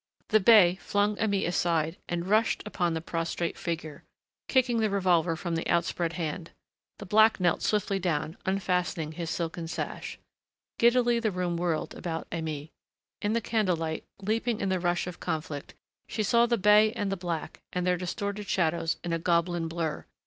The bey flung Aimée aside and rushed upon the prostrate figure, kicking the revolver from the outspread hand. The black knelt swiftly down, unfastening his silken sash. Giddily the room whirled about Aimée.... In the candle light, leaping in the rush of conflict, she saw the bey and the black, and their distorted shadows in a goblin blur....